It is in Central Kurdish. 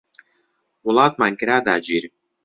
وڵاتمان کرا داگیر